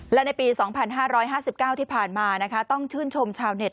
และในปี๒๕๕๙ที่ผ่านมานะคะต้องชื่นชมชาวเน็ต